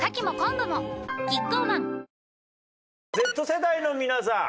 Ｚ世代の皆さん